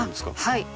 はい。